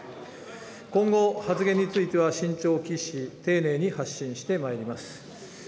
今後、発言については慎重を期し、丁寧に発信してまいります。